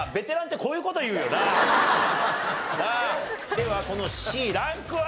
ではこのＣランクは？